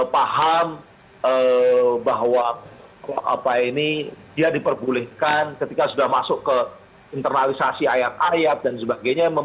paham bahwa dia diperbolehkan ketika sudah masuk ke internalisasi ayat ayat dan sebagainya